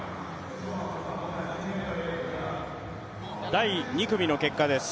第２組の結果です。